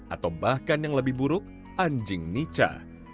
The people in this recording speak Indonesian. atau bahkan yang lebih buruk anjing nica